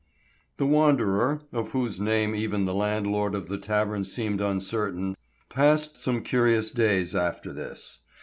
THE wanderer, of whose name even the landlord at the tavern seemed uncertain, passed some curious days after this.